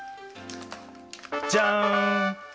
じゃん！